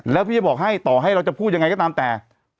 แล้วพี่จะบอกให้ต่อให้เราจะพูดยังไงก็ตามแต่